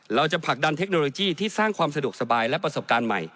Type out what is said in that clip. ผลักดันเทคโนโลยีที่สร้างความสะดวกสบายและประสบการณ์ใหม่